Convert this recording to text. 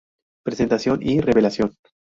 Presentación y revelación.